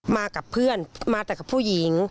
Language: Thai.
มากับเพื่อนมาแต่กับผู้หญิง